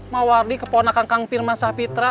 mawardi keponakan kang pirmansah pitra